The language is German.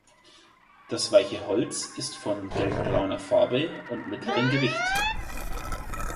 Das weiche Holz ist von gelbbrauner Farbe und mittlerem Gewicht.